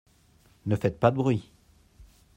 Ne faites pas de bruit.